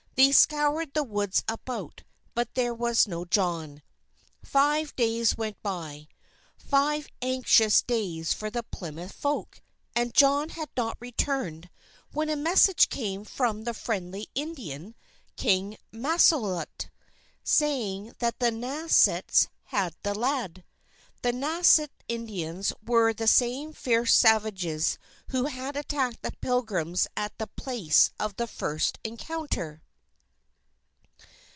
They scoured the woods about, but there was no John. Five days went by, five anxious days for the Plymouth folk. And John had not returned when a message came from the friendly Indian, King Massasoit, saying that the Nausets had the lad. The Nauset Indians were the same fierce savages who had attacked the Pilgrims at The Place of the First Encounter.